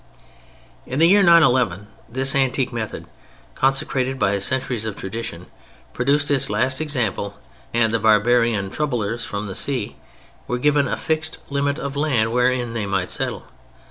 In the year 911 this antique method, consecrated by centuries of tradition, produced its last example and the barbarian troublers from the sea were given a fixed limit of land wherein they might settle.